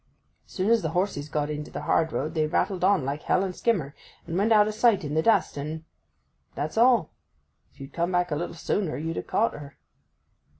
As soon as the horses got into the hard road they rattled on like hell and skimmer, and went out of sight in the dust, and—that's all. If you'd come back a little sooner you'd ha' caught her.